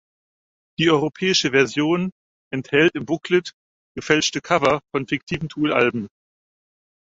Die europäische Version enthält im Booklet „gefälschte“ Cover von fiktiven "Tool"-Alben.